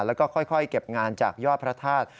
แล้วก็ค่อยเก็บงานจากยอดพระธาตุ